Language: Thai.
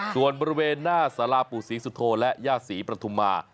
ส่วนบริเวณหน้าสาราปู่ศรีสุโธและย่าศรีปฐุมา